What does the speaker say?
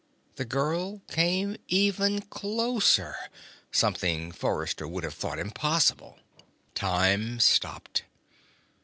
The girl came even closer, something Forrester would have thought impossible. Time stopped.